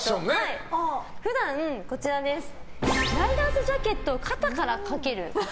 普段、ライダースジャケットを肩からかける。